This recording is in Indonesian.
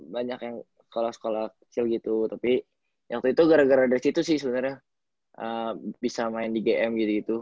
banyak yang sekolah sekolah kecil gitu tapi waktu itu gara gara dari situ sih sebenarnya bisa main di gm gitu gitu